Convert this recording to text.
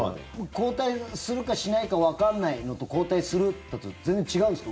交代するかしないかわからないのと交代するだと全然違うんですか？